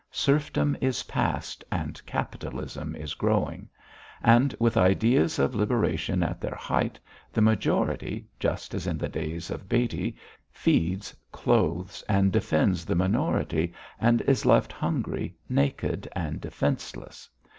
Serfdom is past, and capitalism is growing. And with ideas of liberation at their height the majority, just as in the days of Baty, feeds, clothes, and defends the minority; and is left hungry, naked, and defenceless.